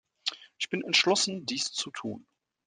Ich bin entschlossen, dies zu tun.